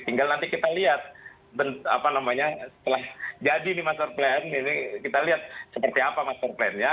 tinggal nanti kita lihat setelah jadi nih master plan ini kita lihat seperti apa master plan nya